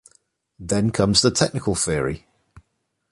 Then comes the technical theory.